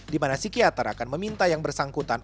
dimana psikiater akan meminta yang bersangkutan